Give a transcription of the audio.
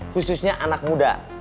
khususnya anak muda